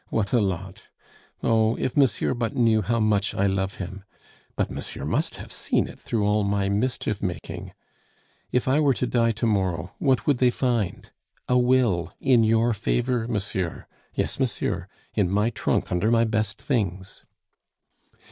What a lot!... Oh! if monsieur but knew how much I love him! But monsieur must have seen it through all my mischief making. If I were to die to morrow, what would they find? A will in your favor, monsieur.... Yes, monsieur, in my trunk under my best things."